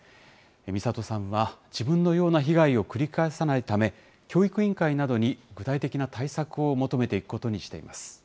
みさとさんは、自分のような被害を繰り返さないため、教育委員会などに具体的な対策を求めていくことにしています。